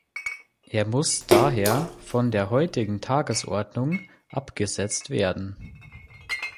Er muss daher von der heutigen Tagesordnung abgesetzt werden.